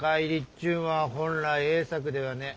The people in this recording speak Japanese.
ちゅんは本来ええ策ではねえ。